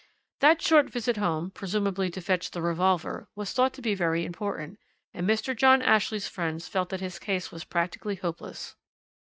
"That short visit home presumably to fetch the revolver was thought to be very important, and Mr. John Ashley's friends felt that his case was practically hopeless.